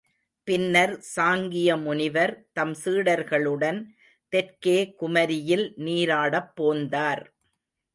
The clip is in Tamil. பின்னர் சாங்கிய முனிவர், தம் சீடர்களுடன் தெற்கே குமரியில் நீராடப் போந்தார்.